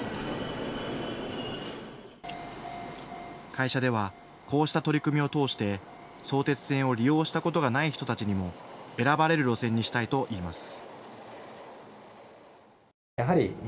会社ではこうした取り組みを通して相鉄線を利用したことがない人たちにも選ばれる路線にしたいといいます。